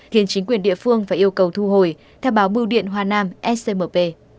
khiến chính quyền địa phương phải yêu cầu thu hồi theo báo mưu điện hoa nam scmp